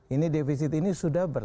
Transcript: ini defisit ini sudah berlaku